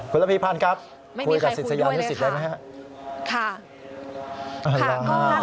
คุณอภีร์พานครับคุยกับศิษยานุสิรษฐ์ได้ไหมคะ